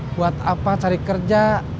buat apa cari kerja